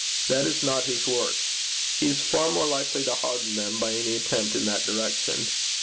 That is not his work. He is far more likely to harden them by any attempt in that direction.